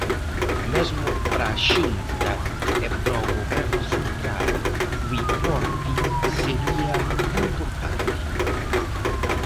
Mesmo para a Xunta e para o Goberno central o importe sería importante.